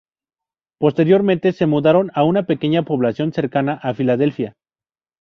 Posteriormente se mudaron a una pequeña población cercana a Filadelfia.